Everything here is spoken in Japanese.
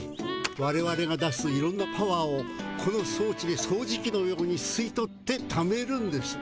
われわれが出すいろんなパワーをこのそうちでそうじきのようにすいとってためるんです。